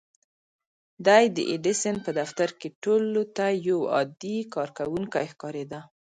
دی د ايډېسن په دفتر کې ټولو ته يو عادي کارکوونکی ښکارېده.